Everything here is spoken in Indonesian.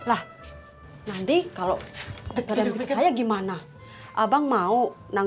ada di dalam baru dipegang doang